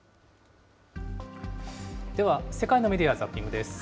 では世界のメディア・ザッピングです。